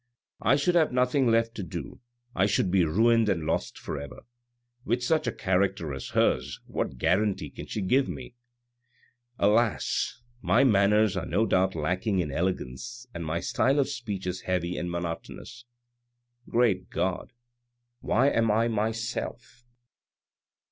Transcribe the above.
I should have nothing left to do, I should be ruined and lost for ever. With such a character as hers what guarantee can she give me ? Alas ! My manners are no doubt lacking in elegance, and my style of speech is heavy and monotonous. Great God, why am I myself?"